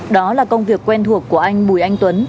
đó là công việc quen thuộc của anh bùi anh tuấn